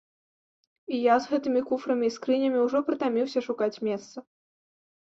І я з гэтымі куфрамі і скрынямі ўжо прытаміўся шукаць месца.